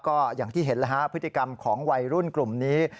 ก็อย่างที่เห็นแล้วฮะพฤติกรรมของวัยรุ่นกลุ่มนี้